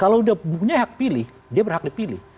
kalau dia punya hak pilih dia berhak dipilih